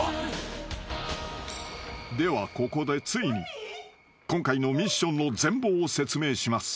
［ではここでついに今回のミッションの全貌を説明します］